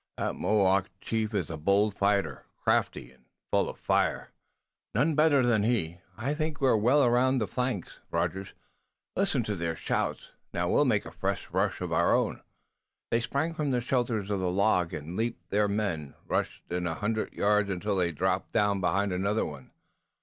That Mohawk chief is a bold fighter, crafty and full of fire." "None better than he. I think they're well around the flank, Rogers. Listen to their shouts. Now, we'll make a fresh rush of our own." They sprang from the shelter of the log, and, leading their men, rushed in a hundred yards until they dropped down behind another one.